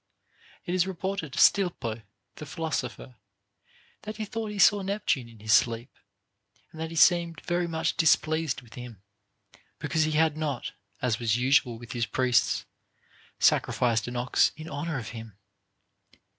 It is reported of Stilpo the philosopher, that he thought he saw Neptune in his sleep, and that he seemed very much displeased with him, because he had not (as was usual with his priests) sacrificed an ox in honor of him.